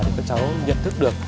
thì các cháu nhận thức được